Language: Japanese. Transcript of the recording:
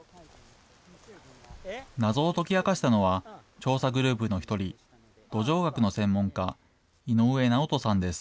謎を解き明かしたのは、調査グループの１人、土壌学の専門家、井上直人さんです。